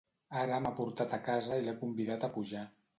Ara m'ha portat a casa i l'he convidat a pujar.